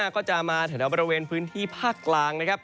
ก็จะมาแถวบริเวณพื้นที่ภาคกลางนะครับ